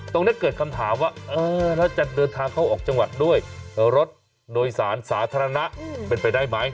เกิดคำถามว่าเออแล้วจะเดินทางเข้าออกจังหวัดด้วยรถโดยสารสาธารณะเป็นไปได้ไหม